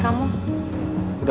aku mau ke rumah